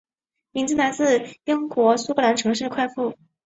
名字来自英国苏格兰城市快富。